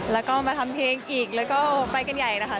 แล้วก็มาทำเพลงอีกแล้วก็ไปกันใหญ่นะคะ